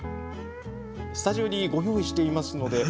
スタジオにご用意しています。